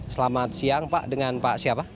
selamat siang pak dengan pak siapa